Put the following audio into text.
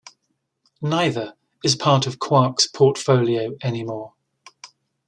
Neither is part of Quark's portfolio anymore.